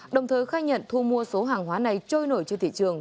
đồng thời khai nhận thu mua số hàng hóa này trôi nổi trên thị trường